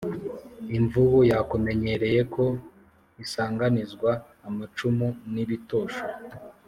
imvubu yakumenyereye ko isanganizwa amacumu n'ibitosho